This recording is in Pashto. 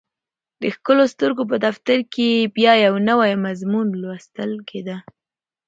د ښکلو سترګو په دفتر کې یې بیا یو نوی مضمون لوستل کېده